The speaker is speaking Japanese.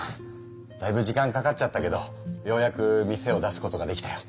だいぶ時間かかっちゃったけどようやく店を出すことができたよ。